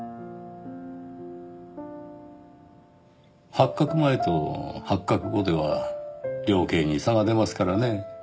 発覚前と発覚後では量刑に差が出ますからねぇ。